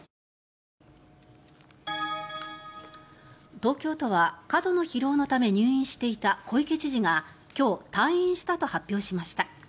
東京都は過度の疲労のため入院していた小池知事が今日、退院したと発表しました。